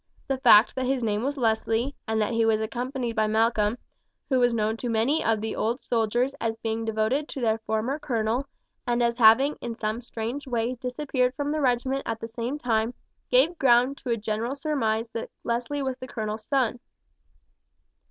The fact that his name was Leslie, and that he was accompanied by Malcolm, who was known to many of the old soldiers as being devoted to their former colonel and as having in some strange way disappeared from the regiment at the same time, gave ground to a general surmise that Leslie was the colonel's son.